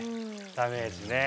ダメージね。